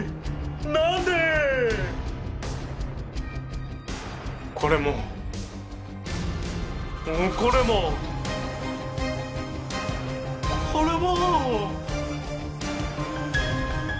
なんで⁉これも！これも！これも！